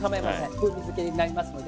風味づけになりますので。